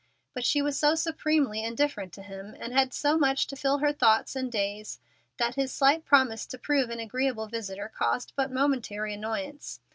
But she was so supremely indifferent to him, and had so much to fill her thoughts and days, that his slight promise to prove an agreeable visitor caused but momentary annoyance.